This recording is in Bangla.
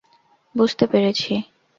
বুঝতে পেরেছি।